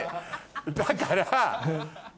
だから。